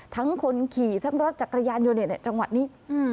ทั้งคนขี่ทั้งรถจักรยานยนต์จังหวะนี้